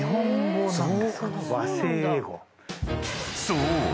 ［そう！